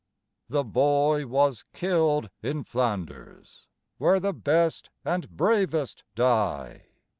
The boy was killed in Flanders, where the best and bravest die.